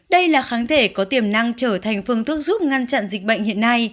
đây là kháng thể có tiềm năng trở thành phương thức giúp ngăn chặn dịch bệnh hiện nay